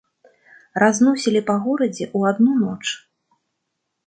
Разносілі па горадзе ў адну ноч.